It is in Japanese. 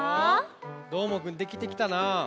どーもくんできてきたな。